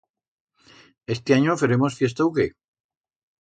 Estianyo feremos fiesta u qué?